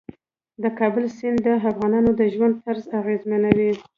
د کابل سیند د افغانانو د ژوند طرز اغېزمنوي.